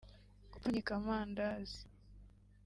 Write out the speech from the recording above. Gupfunyika amandazi